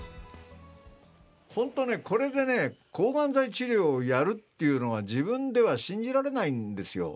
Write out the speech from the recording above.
本当ね、これでね、抗がん剤治療やるっていうのは、自分では信じられないんですよ。